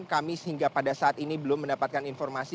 kami sehingga pada saat ini belum mendapatkan informasi